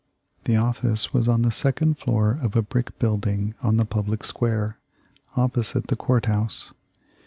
The office was on the second floor of a brick building on the public square, opposite the court house.